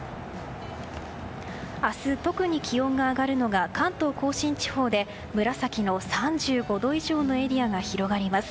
明日、特に気温が上がるのが関東・甲信地方で紫の３５度以上のエリアが広がります。